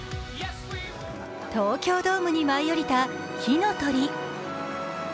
東京ドームに舞い降りた火の鳥。